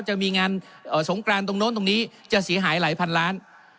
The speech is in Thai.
จะมีงานสงกรานตรงโน้นตรงนี้จะเสียหายหลายพันล้าน